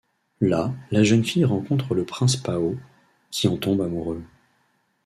Là la jeune fille rencontre le prince Pao, qui en tombe amoureux.